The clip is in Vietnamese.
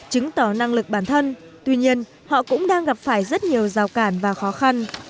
chứng tỏ năng lực bản thân tuy nhiên họ cũng đang gặp phải rất nhiều rào cản và khó khăn